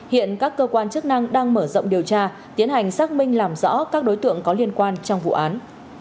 hiện các cơ quan chức năng đang mở rộng điều tra tiến hành xác minh làm rõ các đối tượng có liên quan trong vụ án